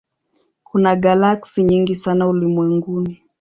Kuna galaksi nyingi sana ulimwenguni.